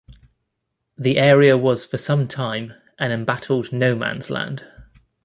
The area was for some time an embattled no-man's land.